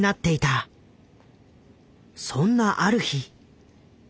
そんなある日。